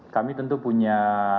kami tentu punya